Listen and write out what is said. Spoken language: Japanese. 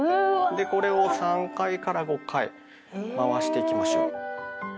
でこれを３５回まわしていきましょう。